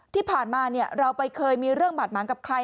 ที่ผ่านมาเราไปเคยมีเรื่องบาดหมางกับใคร